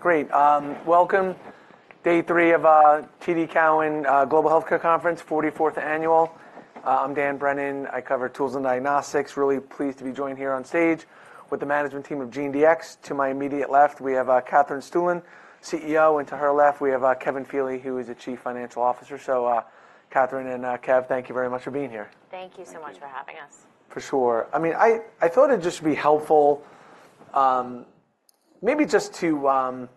Great. Welcome. Day three of TD Cowen global healthcare conference, forty-fourth annual. I'm Dan Brennan. I cover tools and diagnostics. Really pleased to be joined here on stage with the management team of GeneDx. To my immediate left, we have Katherine Stueland, CEO, and to her left, we have Kevin Feeley, who is the Chief Financial Officer. So, Katherine and Kev, thank you very much for being here. Thank you so much. Thank you. for having us. For sure. I mean, I, I thought it'd just be helpful, maybe just to,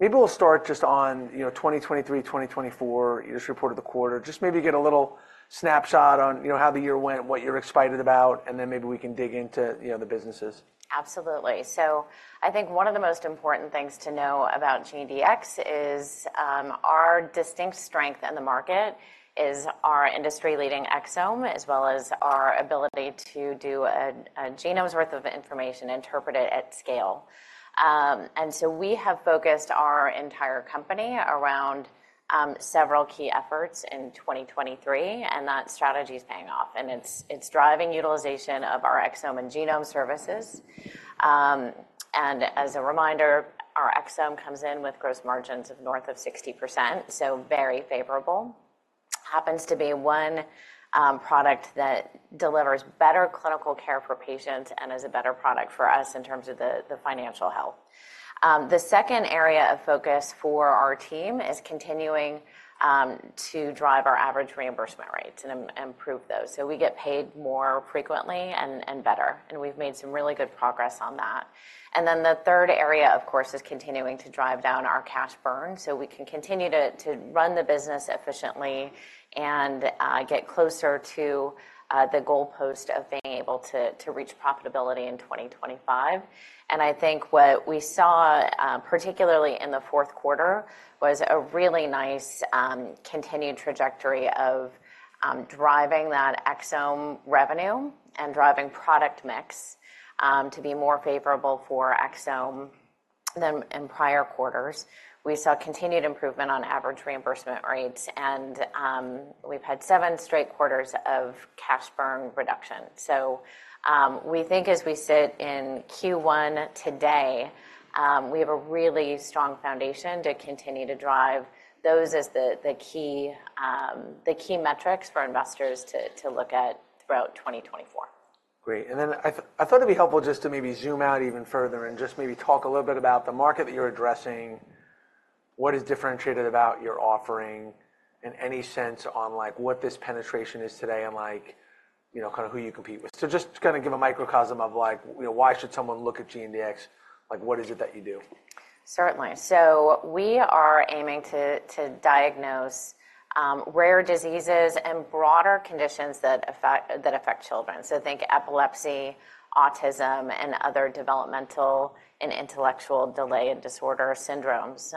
maybe we'll start just on, you know, 2023, 2024, you just reported the quarter. Just maybe get a little snapshot on, you know, how the year went, what you're excited about, and then maybe we can dig into, you know, the businesses. Absolutely. So I think one of the most important things to know about GeneDx is, our distinct strength in the market is our industry-leading exome, as well as our ability to do a genome's worth of information, interpret it at scale. And so we have focused our entire company around, several key efforts in 2023, and that strategy is paying off, and it's driving utilization of our exome and genome services. And as a reminder, our exome comes in with gross margins of north of 60%, so very favorable. Happens to be one product that delivers better clinical care for patients and is a better product for us in terms of the financial health. The second area of focus for our team is continuing to drive our average reimbursement rates and improve those. So we get paid more frequently and better, and we've made some really good progress on that. And then the third area, of course, is continuing to drive down our cash burn, so we can continue to run the business efficiently and get closer to the goalpost of being able to reach profitability in 2025. And I think what we saw, particularly in the fourth quarter, was a really nice continued trajectory of driving that exome revenue and driving product mix to be more favorable for exome than in prior quarters. We saw continued improvement on average reimbursement rates, and we've had seven straight quarters of cash burn reduction. So, we think as we sit in Q1 today, we have a really strong foundation to continue to drive those as the key metrics for investors to look at throughout 2024. Great. Then I thought it'd be helpful just to maybe zoom out even further and just maybe talk a little bit about the market that you're addressing, what is differentiated about your offering, in any sense on, like, what this penetration is today, and like, you know, kind of who you compete with. So just to kind of give a microcosm of like, you know, why should someone look at GeneDx? Like, what is it that you do? Certainly. So we are aiming to diagnose rare diseases and broader conditions that affect children. So think epilepsy, autism, and other developmental and intellectual delay and disorder syndromes.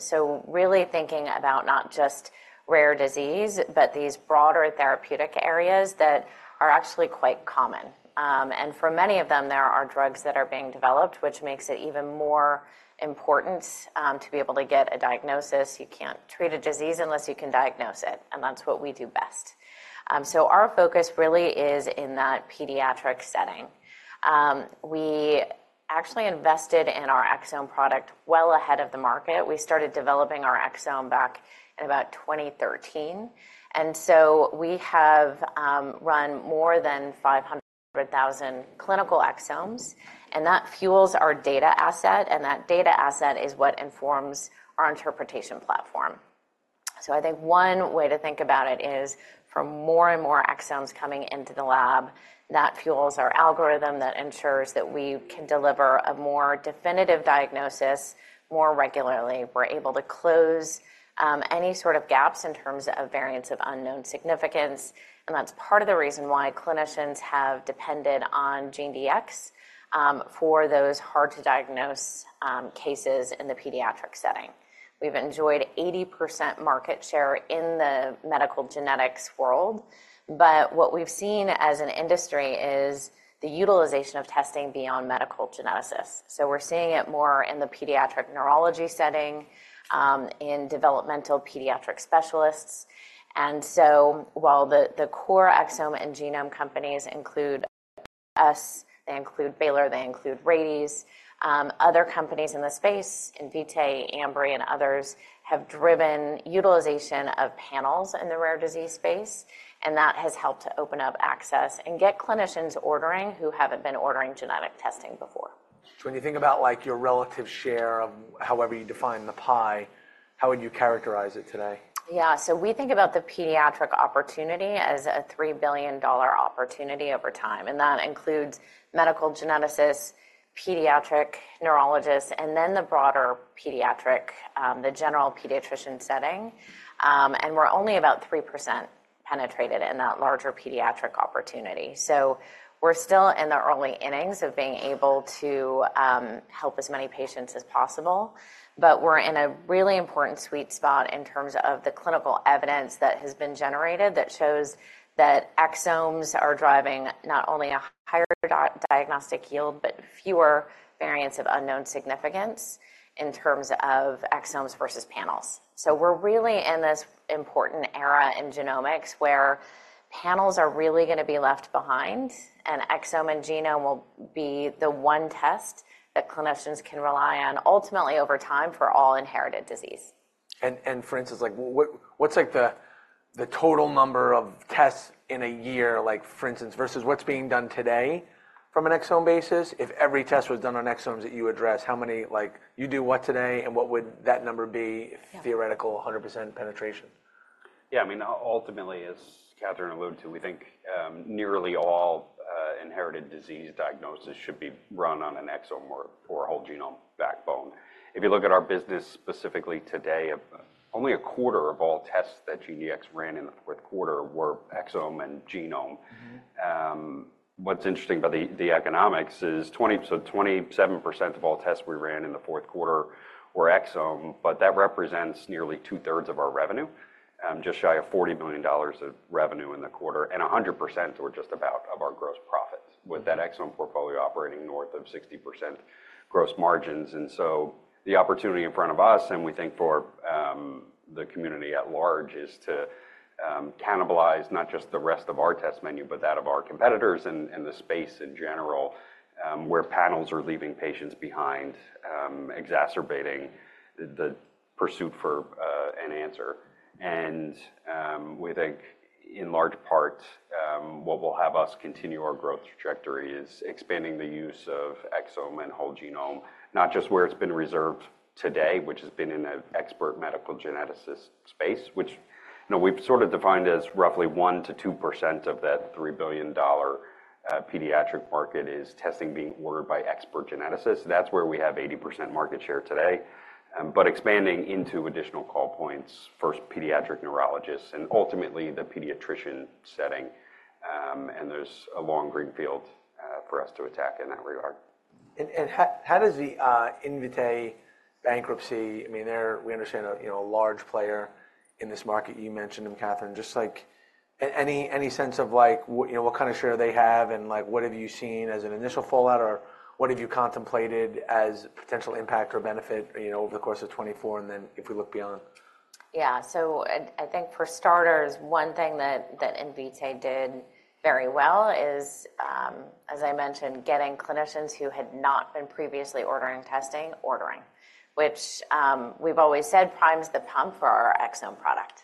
So really thinking about not just rare disease, but these broader therapeutic areas that are actually quite common. And for many of them, there are drugs that are being developed, which makes it even more important to be able to get a diagnosis. You can't treat a disease unless you can diagnose it, and that's what we do best. So our focus really is in that pediatric setting. We actually invested in our exome product well ahead of the market. We started developing our exome back in about 2013, and so we have run more than 500,000 clinical exomes, and that fuels our data asset, and that data asset is what informs our interpretation platform. So I think one way to think about it is for more and more exomes coming into the lab, that fuels our algorithm that ensures that we can deliver a more definitive diagnosis more regularly. We're able to close any sort of gaps in terms of variants of unknown significance, and that's part of the reason why clinicians have depended on GeneDx for those hard-to-diagnose cases in the pediatric setting. We've enjoyed 80% market share in the medical genetics world, but what we've seen as an industry is the utilization of testing beyond medical geneticists. So we're seeing it more in the pediatric neurology setting, in developmental pediatric specialists. And so while the core exome and genome companies include us, they include Baylor, they include Rady's, other companies in the space, Invitae, Ambry, and others, have driven utilization of panels in the rare disease space, and that has helped to open up access and get clinicians ordering who haven't been ordering genetic testing before. When you think about, like, your relative share of however you define the pie, how would you characterize it today? Yeah. So we think about the pediatric opportunity as a $3 billion opportunity over time, and that includes medical geneticists, pediatric neurologists, and then the broader pediatric, the general pediatrician setting. And we're only about 3% penetrated in that larger pediatric opportunity. So we're still in the early innings of being able to, help as many patients as possible, but we're in a really important sweet spot in terms of the clinical evidence that has been generated that shows that exomes are driving not only a higher diagnostic yield, but fewer variants of unknown significance in terms of exomes versus panels. So we're really in this important era in genomics where panels are really gonna be left behind, and exome and genome will be the one test that clinicians can rely on, ultimately over time, for all inherited disease. For instance, like, what's the total number of tests in a year, like, for instance, versus what's being done today from an exome basis? If every test was done on exomes that you address, how many- like, you do what today, and what would that number be- Yeah. If theoretical 100% penetration? Yeah, I mean, ultimately, as Katherine alluded to, we think nearly all inherited disease diagnosis should be run on an exome or, or a whole genome backbone. If you look at our business specifically today, only a quarter of all tests that GeneDx ran in the fourth quarter were exome and genome. Mm-hmm. What's interesting about the economics is twenty, so 27% of all tests we ran in the fourth quarter were exome, but that represents nearly two-thirds of our revenue, just shy of $40 million of revenue in the quarter, and 100% or just about of our gross profits, with that exome portfolio operating north of 60% gross margins. And so the opportunity in front of us, and we think for the community at large, is to cannibalize not just the rest of our test menu, but that of our competitors and the space in general, where panels are leaving patients behind, exacerbating the pursuit for an answer. We think in large part what will have us continue our growth trajectory is expanding the use of exome and whole genome, not just where it's been reserved today, which has been in an expert medical geneticist space, which, you know, we've sort of defined as roughly 1%-2% of that $3 billion pediatric market is testing being ordered by expert geneticists. That's where we have 80% market share today, but expanding into additional call points, first, pediatric neurologists, and ultimately, the pediatrician setting. And there's a long greenfield for us to attack in that regard. How does the Invitae bankruptcy—I mean, they're, we understand, you know, a large player in this market. You mentioned them, Katherine. Just like, any sense of like, what, you know, what kind of share they have, and, like, what have you seen as an initial fallout, or what have you contemplated as potential impact or benefit, you know, over the course of 2024 and then if we look beyond? Yeah. So I think for starters, one thing that Invitae did very well is, as I mentioned, getting clinicians who had not been previously ordering testing, which we've always said primes the pump for our exome product.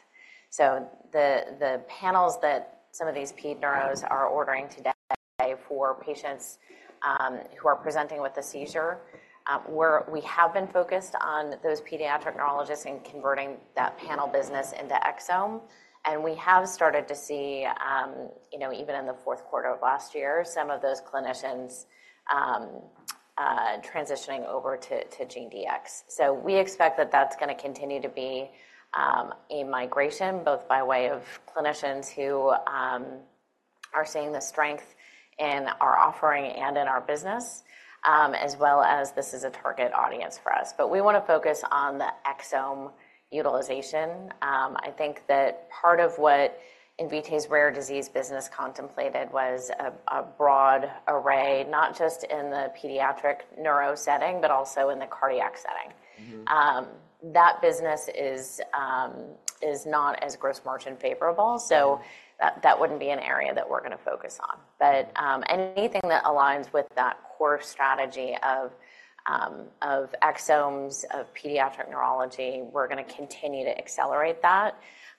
So the panels that some of these ped neuros are ordering today for patients who are presenting with a seizure, we have been focused on those pediatric neurologists and converting that panel business into exome. And we have started to see, you know, even in the fourth quarter of last year, some of those clinicians transitioning over to GeneDx. So we expect that that's gonna continue to be a migration, both by way of clinicians who are seeing the strength in our offering and in our business, as well as this is a target audience for us. We want to focus on the exome utilization. I think that part of what Invitae's rare disease business contemplated was a broad array, not just in the pediatric neuro setting, but also in the cardiac setting. Mm-hmm. That business is not as gross margin favorable- Mm-hmm. -so that, that wouldn't be an area that we're gonna focus on. But, anything that aligns with that core strategy of, of exomes, of pediatric neurology, we're gonna continue to accelerate that.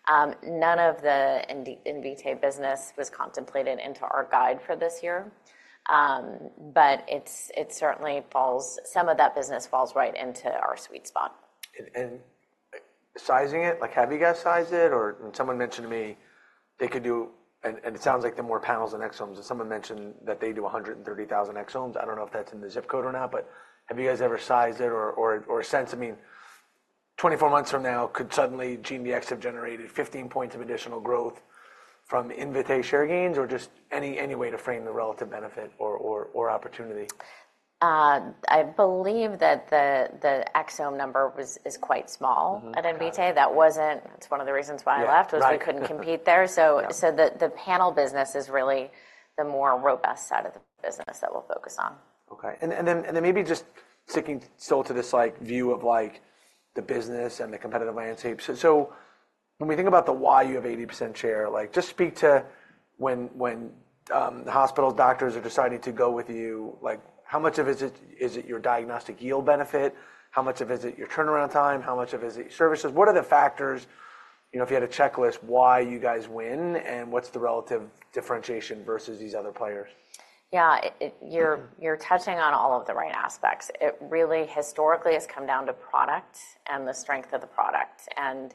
None of the Invitae business was contemplated into our guide for this year. But it certainly falls, some of that business falls right into our sweet spot. Sizing it, like, have you guys sized it? Or someone mentioned to me they could do and it sounds like they're more panels than exomes, and someone mentioned that they do 130,000 exomes. I don't know if that's in the zip code or not, but have you guys ever sized it or a sense? I mean, 24 months from now, could suddenly GeneDx have generated 15 points of additional growth from Invitae share gains, or just any way to frame the relative benefit or opportunity? I believe that the exome number was, is quite small- Mm-hmm. -at Invitae. That wasn't. It's one of the reasons why I left- Yeah, right. we couldn't compete there. No. The panel business is really the more robust side of the business that we'll focus on. Okay. And then maybe just sticking still to this, like, view of, like, the business and the competitive landscape. So when we think about the why you have 80% share, like, just speak to when the hospital doctors are deciding to go with you, like, how much of is it, is it your diagnostic yield benefit? How much of is it your turnaround time? How much of is it services? What are the factors, you know, if you had a checklist, why you guys win, and what's the relative differentiation versus these other players? Yeah. You're touching on all of the right aspects. It really historically has come down to product and the strength of the product. And,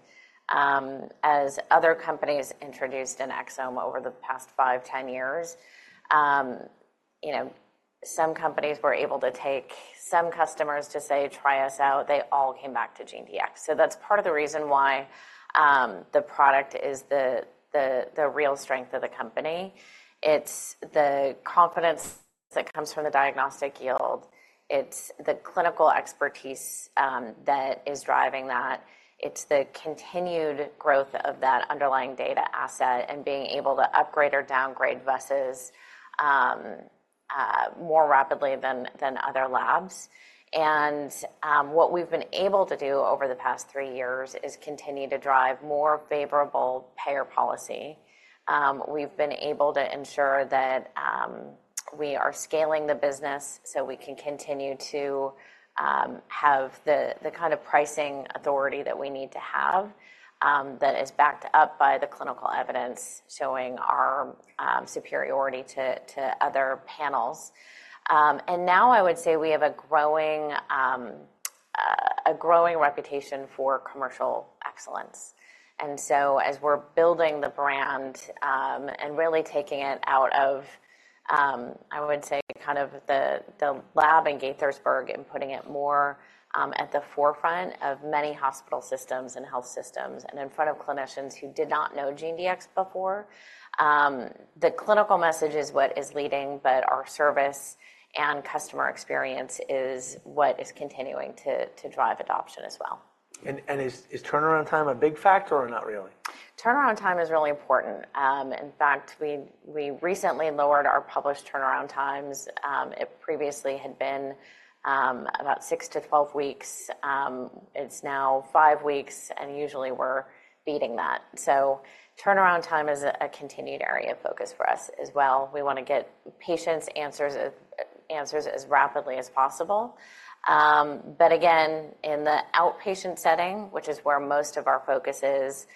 as other companies introduced an exome over the past five-10 years, you know, some companies were able to take some customers to, say, try us out. They all came back to GeneDx. So that's part of the reason why, the product is the real strength of the company. It's the confidence that comes from the diagnostic yield, it's the clinical expertise that is driving that, it's the continued growth of that underlying data asset and being able to upgrade or downgrade bases more rapidly than other labs. And, what we've been able to do over the past three years is continue to drive more favorable payer policy. We've been able to ensure that we are scaling the business so we can continue to have the kind of pricing authority that we need to have, that is backed up by the clinical evidence showing our superiority to other panels. And now I would say we have a growing reputation for commercial excellence. And so as we're building the brand and really taking it out of, I would say, kind of the lab in Gaithersburg and putting it more at the forefront of many hospital systems and health systems, and in front of clinicians who did not know GeneDx before. The clinical message is what is leading, but our service and customer experience is what is continuing to drive adoption as well. Is turnaround time a big factor or not really? Turnaround time is really important. In fact, we recently lowered our published turnaround times. It previously had been about six-12 weeks. It's now five weeks, and usually we're beating that. So turnaround time is a continued area of focus for us as well. We want to get patients answers, answers as rapidly as possible. But again, in the outpatient setting, which is where most of our focus is,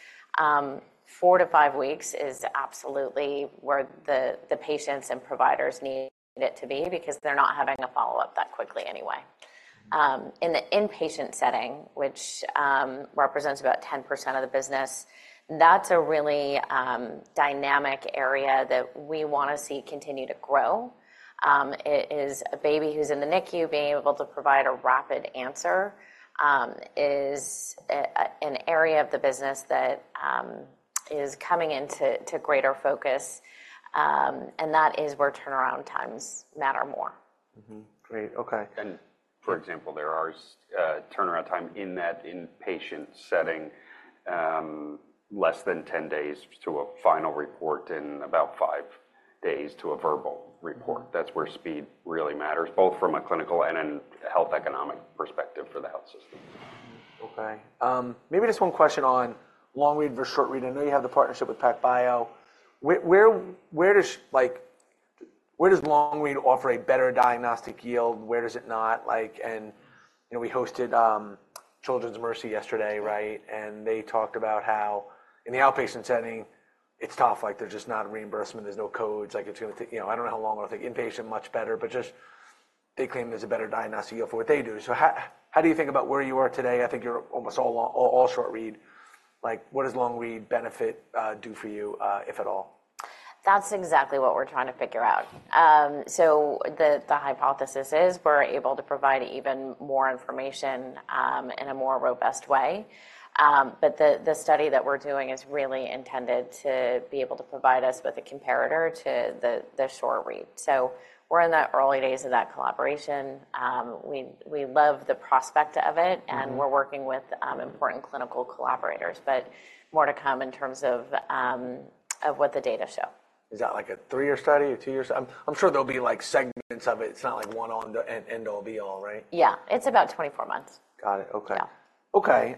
four to five weeks is absolutely where the patients and providers need it to be because they're not having a follow-up that quickly anyway. In the inpatient setting, which represents about 10% of the business, that's a really dynamic area that we want to see continue to grow. It is a baby who's in the NICU. Being able to provide a rapid answer is an area of the business that is coming into greater focus. And that is where turnaround times matter more. Mm-hmm. Great. Okay. For example, there are turnaround time in that inpatient setting, less than 10 days to a final report and about five days to a verbal report. That's where speed really matters, both from a clinical and a health economic perspective for the health systems. Okay. Maybe just one question on long-read versus short-read. I know you have the partnership with PacBio. Where does... like, where does long-read offer a better diagnostic yield? Where does it not like...? And, you know, we hosted Children's Mercy yesterday, right? And they talked about how in the outpatient setting, it's tough, like there's just not a reimbursement, there's no codes. Like, it's gonna take, you know, I don't know how long. I think inpatient much better, but just they claim there's a better diagnostic yield for what they do. So how do you think about where you are today? I think you're almost all long, all short-read. Like, what does long-read benefit do for you, if at all? That's exactly what we're trying to figure out. So the hypothesis is we're able to provide even more information in a more robust way. But the study that we're doing is really intended to be able to provide us with a comparator to the short-read. So we're in the early days of that collaboration. We love the prospect of it- Mm-hmm. - and we're working with important clinical collaborators, but more to come in terms of what the data show. Is that like a three year study, two years? I'm, I'm sure there'll be, like, segments of it. It's not like one on- and end be all, right? Yeah. It's about 24 months. Got it. Okay. Yeah. Okay,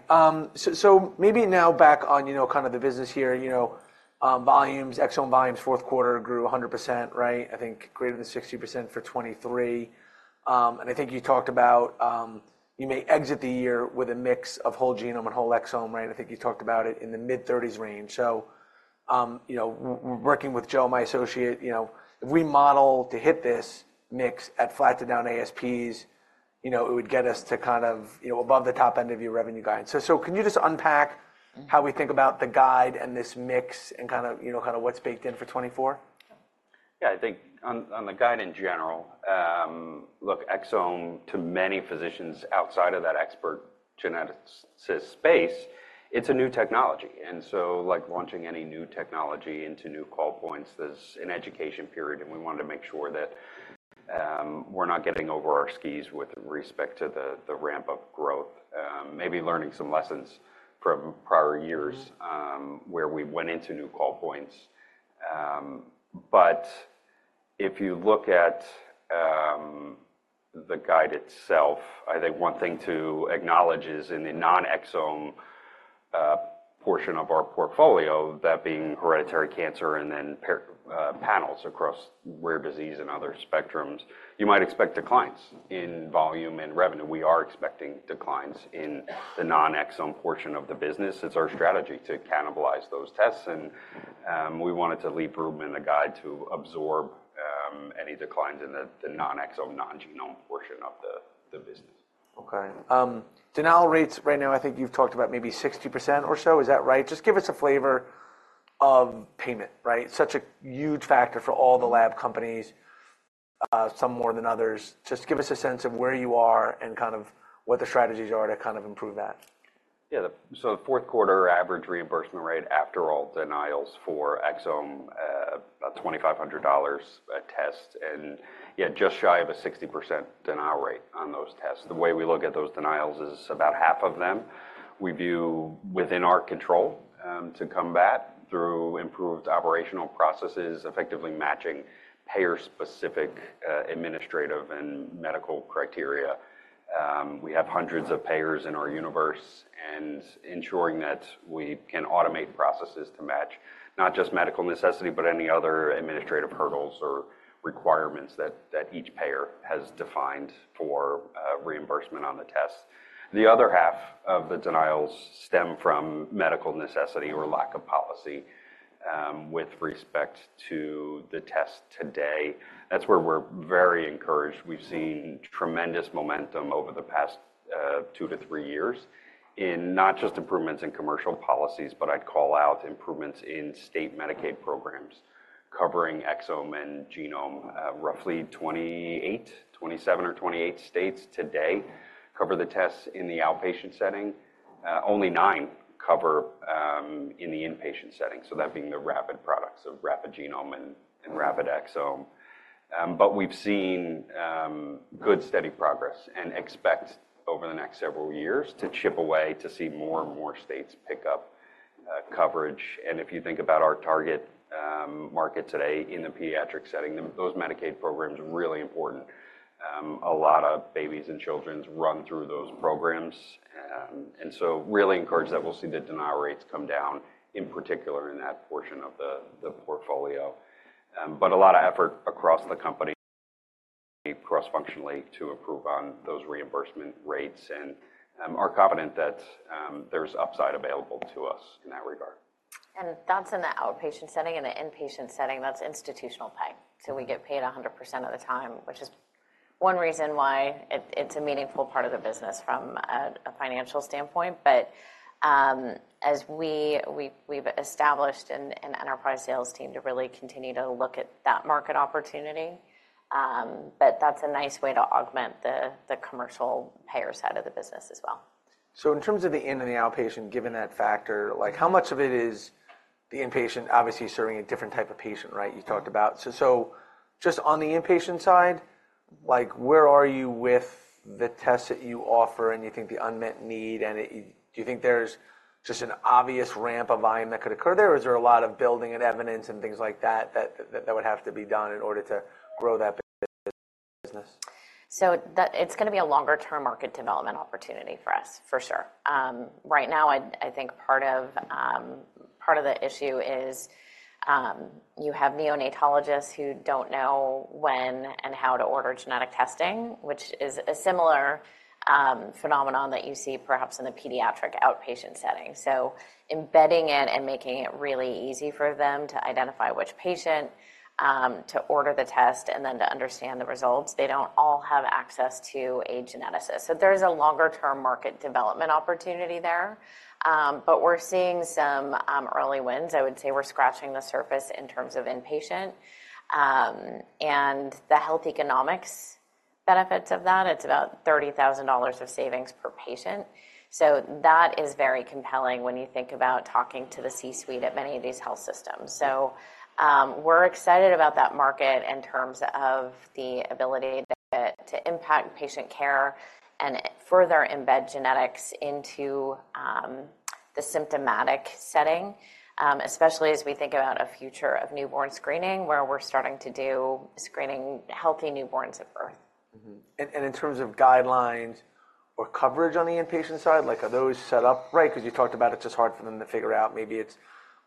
so maybe now back on, you know, kind of the business here. You know, volumes, exome volumes, fourth quarter grew 100%, right? I think greater than 60% for 2023. And I think you talked about, you may exit the year with a mix of whole genome and whole exome, right? I think you talked about it in the mid-thirties range. So, you know, working with Joe, my associate, you know, if we model to hit this mix at flat to down ASPs, you know, it would get us to kind of, you know, above the top end of your revenue guide. So, can you just unpack how we think about the guide and this mix and kind of, you know, kind of what's baked in for 2024? Yeah, I think on the guide in general, look, exome to many physicians outside of that expert geneticist space, it's a new technology. And so, like launching any new technology into new call points, there's an education period, and we wanted to make sure that we're not getting over our skis with respect to the ramp of growth. Maybe learning some lessons from prior years- Mm-hmm. where we went into new call points. But if you look at the guide itself, I think one thing to acknowledge is in the non-exome portion of our portfolio, that being hereditary cancer and then panels across rare disease and other spectrums, you might expect declines in volume and revenue. We are expecting declines in the non-exome portion of the business. It's our strategy to cannibalize those tests, and we wanted to leave room in the guide to absorb any declines in the non-exome, non-genome portion of the business. Okay, denial rates right now, I think you've talked about maybe 60% or so. Is that right? Just give us a flavor of payment, right? Such a huge factor for all the lab companies, some more than others. Just give us a sense of where you are and kind of what the strategies are to kind of improve that. Yeah. So the fourth quarter average reimbursement rate, after all denials for exome, about $2,500 a test, and yet just shy of a 60% denial rate on those tests. The way we look at those denials is about half of them we view within our control to combat through improved operational processes, effectively matching payer-specific administrative and medical criteria. We have hundreds of payers in our universe, and ensuring that we can automate processes to match not just medical necessity, but any other administrative hurdles or requirements that each payer has defined for reimbursement on the test. The other half of the denials stem from medical necessity or lack of policy with respect to the test today. That's where we're very encouraged. We've seen tremendous momentum over the past two to three years in not just improvements in commercial policies, but I'd call out improvements in state Medicaid programs covering exome and genome. Roughly 28, 27 or 28 states today cover the tests in the outpatient setting. Only nine cover in the inpatient setting, so that being the rapid products of rapid genome and rapid exome. But we've seen good, steady progress and expect over the next several years to chip away to see more and more states pick up coverage. If you think about our target market today in the pediatric setting, then those Medicaid programs are really important. A lot of babies and children run through those programs. And so really encouraged that we'll see the denial rates come down, in particular, in that portion of the portfolio. But a lot of effort across the company, cross-functionally, to improve on those reimbursement rates, and are confident that there's upside available to us in that regard. That's in the outpatient setting. In the inpatient setting, that's institutional pay. So we get paid 100% of the time, which is one reason why it's a meaningful part of the business from a financial standpoint. But as we've established an enterprise sales team to really continue to look at that market opportunity. But that's a nice way to augment the commercial payer side of the business as well. So in terms of the inpatient and the outpatient, given that factor, like, how much of it is the inpatient obviously serving a different type of patient, right? You talked about. So, so just on the inpatient side, like, where are you with the tests that you offer, and you think the unmet need, and, do you think there's just an obvious ramp of volume that could occur there, or is there a lot of building and evidence and things like that, that, that would have to be done in order to grow that business? So it's gonna be a longer-term market development opportunity for us, for sure. Right now, I think part of, part of the issue is, you have neonatologists who don't know when and how to order genetic testing, which is a similar, phenomenon that you see perhaps in the pediatric outpatient setting. So embedding it and making it really easy for them to identify which patient, to order the test and then to understand the results, they don't all have access to a geneticist. So there's a longer-term market development opportunity there. But we're seeing some, early wins. I would say we're scratching the surface in terms of inpatient. And the health economics benefits of that, it's about $30,000 of savings per patient. So that is very compelling when you think about talking to the C-suite at many of these health systems. We're excited about that market in terms of the ability to impact patient care and further embed genetics into the symptomatic setting, especially as we think about a future of newborn screening, where we're starting to do screening healthy newborns at birth. Mm-hmm. And in terms of guidelines or coverage on the inpatient side, like are those set up, right? 'Cause you talked about it's just hard for them to figure out. Maybe it's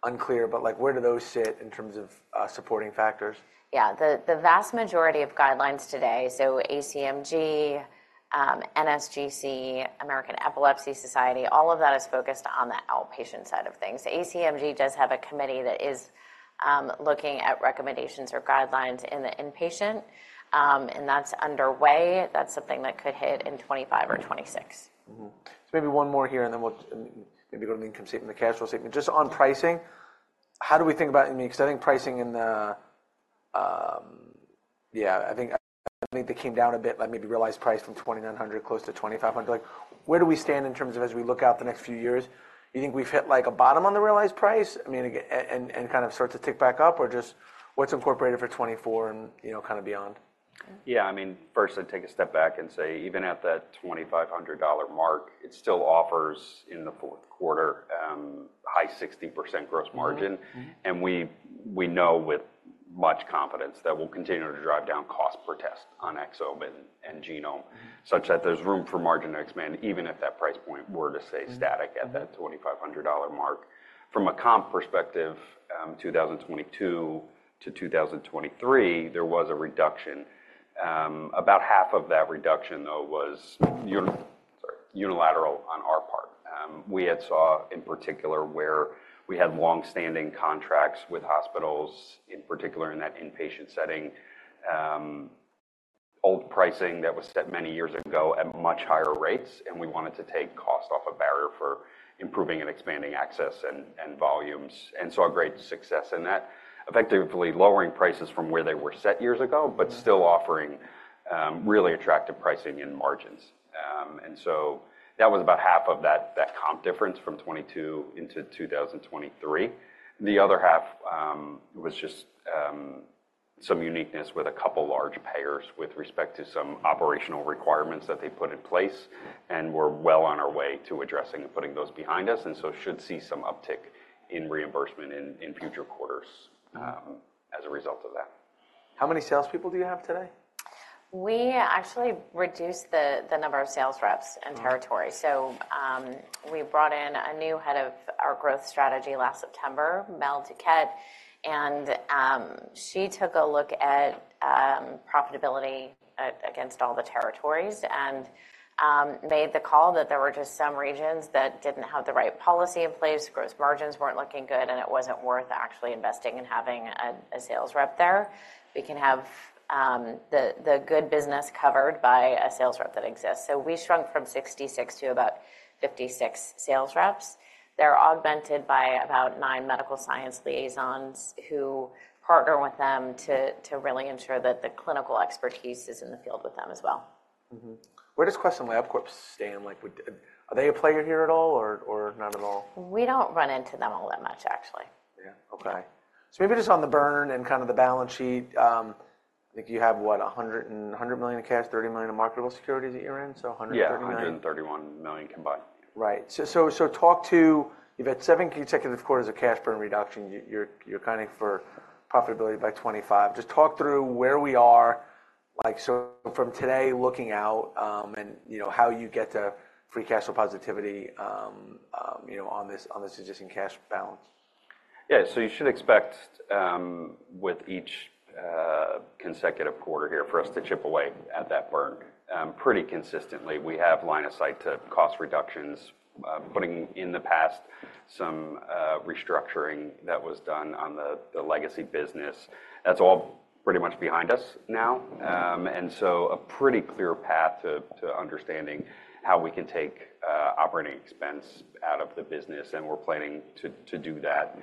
unclear, but, like, where do those sit in terms of supporting factors? Yeah. The vast majority of guidelines today, so ACMG, NSGC, American Epilepsy Society, all of that is focused on the outpatient side of things. ACMG does have a committee that is looking at recommendations or guidelines in the inpatient and that's underway. That's something that could hit in 2025 or 2026. Mm-hmm. So maybe one more here, and then we'll maybe go to the income statement and the cash flow statement. Just on pricing, how do we think about I mean, 'cause I think pricing in the. Yeah, I think, I think they came down a bit, but maybe realized price from $2,900 close to $2,500. Like, where do we stand in terms of as we look out the next few years, you think we've hit, like, a bottom on the realized price? I mean, again, and kind of start to tick back up, or just what's incorporated for 2024 and, you know, kind of beyond? Yeah, I mean, first, I'd take a step back and say, even at that $2,500 dollar mark, it still offers in the fourth quarter, high 60% gross margin. Mm-hmm. Mm-hmm. We know with much confidence that we'll continue to drive down cost per test on exome and genome, such that there's room for margin to expand, even if that price point were to stay- Mm-hmm... static at that $2,500 mark. From a comp perspective, 2022 to 2023, there was a reduction. About half of that reduction, though, was unilateral on our part. We had saw, in particular, where we had long-standing contracts with hospitals, in particular, in that inpatient setting, old pricing that was set many years ago at much higher rates, and we wanted to take cost off a barrier for improving and expanding access and, and volumes, and saw great success in that, effectively lowering prices from where they were set years ago. Mm-hmm... but still offering really attractive pricing and margins. And so that was about half of that, that comp difference from 2022 into 2023. The other half was just some uniqueness with a couple large payers with respect to some operational requirements that they put in place, and we're well on our way to addressing and putting those behind us, and so should see some uptick in reimbursement in future quarters as a result of that. How many salespeople do you have today? We actually reduced the number of sales reps and territory. So, we brought in a new head of our growth strategy last September, Mel Duquette, and, she took a look at, profitability against all the territories and, made the call that there were just some regions that didn't have the right policy in place, gross margins weren't looking good, and it wasn't worth actually investing in having a sales rep there. We can have the good business covered by a sales rep that exists. So we shrunk from 66 to about 56 sales reps. They're augmented by about nine medical science liaisons who partner with them to really ensure that the clinical expertise is in the field with them as well. Mm-hmm. Where does Quest and LabCorp stand? Like, are they a player here at all or not at all? We don't run into them all that much, actually. Yeah. Okay. So maybe just on the burn and kind of the balance sheet, I think you have, what, $100 million in cash, $30 million in marketable securities that you're in, so $130 million? Yeah, $131 million combined. Right. So talk to. You've had seven consecutive quarters of cash burn reduction. You're counting for profitability by 25. Just talk through where we are, like, so from today looking out, and you know, how you get to free cash flow positivity, you know, on this, on this existing cash balance. Yeah, so you should expect, with each consecutive quarter here for us to chip away at that burn, pretty consistently. We have line of sight to cost reductions, putting in the past some restructuring that was done on the legacy business. That's all pretty much behind us now. And so a pretty clear path to understanding how we can take operating expense out of the business, and we're planning to do that.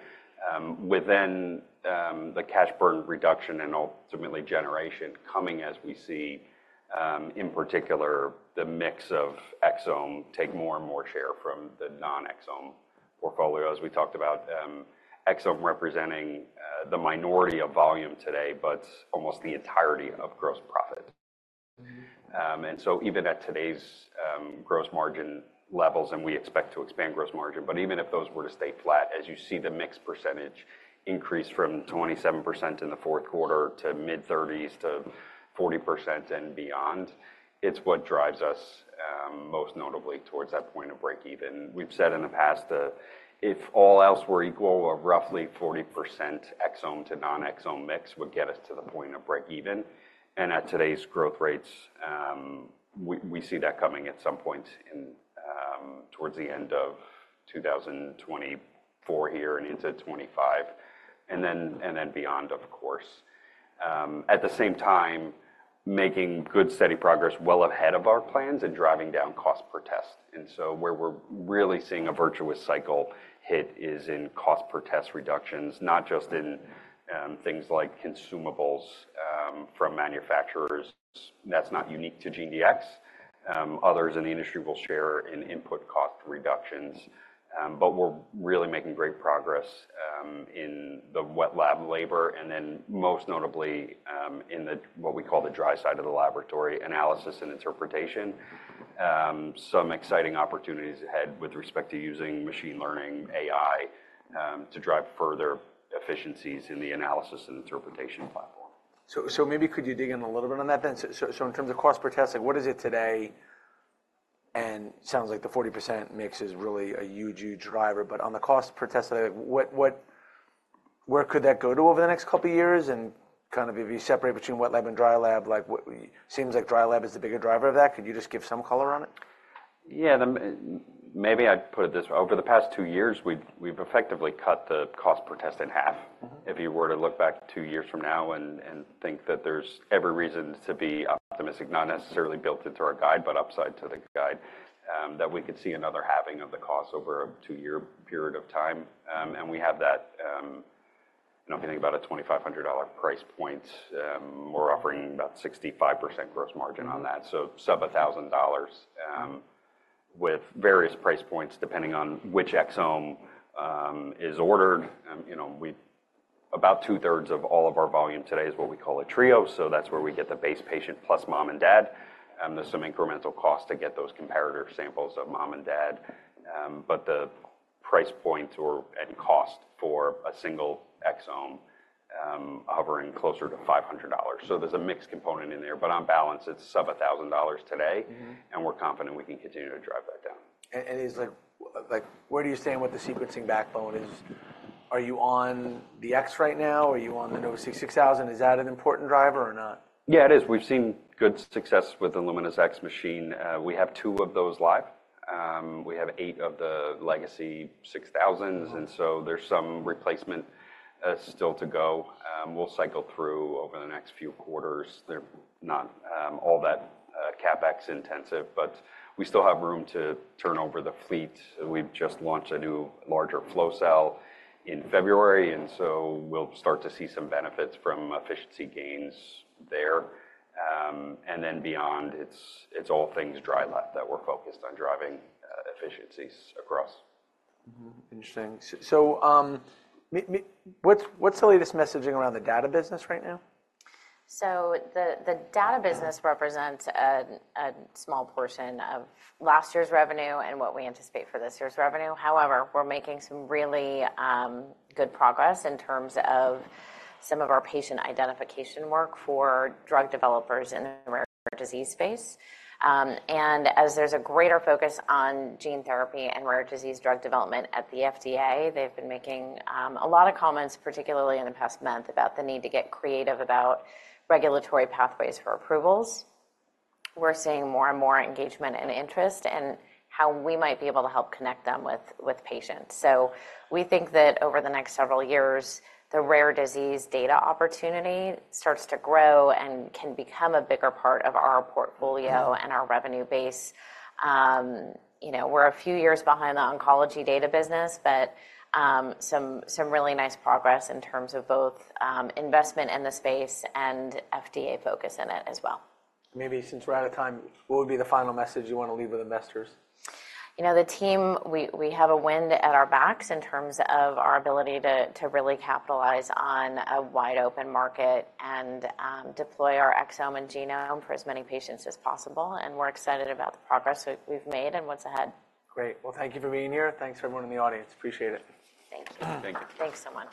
Within the cash burn reduction and ultimately generation coming as we see, in particular, the mix of exome take more and more share from the non-exome portfolio. As we talked about, exome representing the minority of volume today, but almost the entirety of gross profit. Mm-hmm. And so even at today's gross margin levels, and we expect to expand gross margin, but even if those were to stay flat, as you see the mix percentage increase from 27% in the fourth quarter to mid-30s to 40% and beyond, it's what drives us most notably towards that point of break even. We've said in the past that if all else were equal, a roughly 40% exome to non-exome mix would get us to the point of break even. At today's growth rates, we see that coming at some point in towards the end of 2024 here and into 2025, and then beyond, of course. At the same time, making good, steady progress well ahead of our plans and driving down cost per test. And so where we're really seeing a virtuous cycle hit is in cost per test reductions, not just in things like consumables from manufacturers. That's not unique to GDX. Others in the industry will share in input cost reductions, but we're really making great progress in the wet lab labor and then most notably in what we call the dry side of the laboratory, analysis and interpretation. Some exciting opportunities ahead with respect to using machine learning, AI, to drive further efficiencies in the analysis and interpretation platform. So, so maybe could you dig in a little bit on that then? So, so in terms of cost per test, like, what is it today? And sounds like the 40% mix is really a huge, huge driver, but on the cost per test, like, where could that go to over the next couple of years? And kind of if you separate between wet lab and dry lab, like, what, seems like dry lab is the bigger driver of that. Could you just give some color on it? Yeah. Maybe I'd put it this way. Over the past two years, we've effectively cut the cost per test in half. Mm-hmm. If you were to look back two years from now and think that there's every reason to be optimistic, not necessarily built into our guide, but upside to the guide, that we could see another halving of the cost over a two-year period of time. And we have that, you know, if you think about a $2,500 price point, we're offering about 65% gross margin on that, so sub $1,000, with various price points, depending on which exome is ordered. You know, about two-thirds of all of our volume today is what we call a trio, so that's where we get the base patient plus mom and dad. There's some incremental cost to get those comparator samples of mom and dad, but the price point and cost for a single exome, hovering closer to $500. So there's a mixed component in there, but on balance, it's sub $1,000 today. Mm-hmm. We're confident we can continue to drive that down. Like, where do you stand with the sequencing backbone. Are you on the X right now? Are you on the NovaSeq 6000? Is that an important driver or not? Yeah, it is. We've seen good success with the Illumina X machine. We have two of those live. We have eight of the legacy 6000s- Mm-hmm. and so there's some replacement still to go. We'll cycle through over the next few quarters. They're not all that CapEx intensive, but we still have room to turn over the fleet. We've just launched a new, larger flow cell in February, and so we'll start to see some benefits from efficiency gains there. And then beyond, it's all things dry lab that we're focused on driving efficiencies across. Mm-hmm. Interesting. So, what's the latest messaging around the data business right now? So the data business represents a small portion of last year's revenue and what we anticipate for this year's revenue. However, we're making some really good progress in terms of some of our patient identification work for drug developers in the rare disease space. And as there's a greater focus on gene therapy and rare disease drug development at the FDA, they've been making a lot of comments, particularly in the past month, about the need to get creative about regulatory pathways for approvals. We're seeing more and more engagement and interest in how we might be able to help connect them with patients. So we think that over the next several years, the rare disease data opportunity starts to grow and can become a bigger part of our portfolio- Mm-hmm. and our revenue base. You know, we're a few years behind the oncology data business, but some really nice progress in terms of both investment in the space and FDA focus in it as well. Maybe since we're out of time, what would be the final message you want to leave with investors? You know, the team, we have a wind at our backs in terms of our ability to really capitalize on a wide-open market and deploy our exome and genome for as many patients as possible, and we're excited about the progress we've made and what's ahead. Great. Well, thank you for being here. Thanks, everyone in the audience. Appreciate it. Thank you. Thank you. Thanks so much.